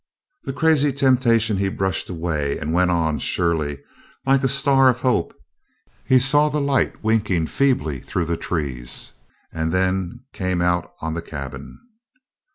That crazy temptation he brushed away, and went on until surely, like a star of hope, he saw the light winking feebly through the trees, and then came out on the cabin.